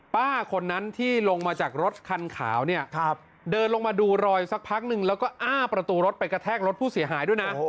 ป้าคนนั้นที่ลงมาจากรถคันขาวเนี่ยเดินลงมาดูรอยสักพักนึงแล้วก็อ้าประตูรถไปกระแทกรถผู้เสียหายด้วยนะ